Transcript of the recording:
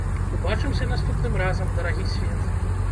Убачымся наступным разам, дарагі свет.